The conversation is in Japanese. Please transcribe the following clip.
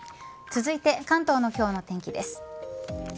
続いて関東の今日の天気です。